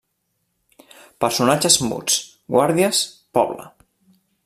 Personatges muts: guàrdies, poble.